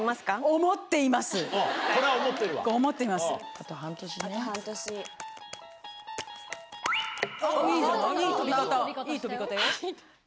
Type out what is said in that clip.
いい飛び方よ。